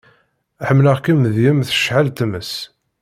Ḥemmleɣ-kem deg-m tecɛel tmes.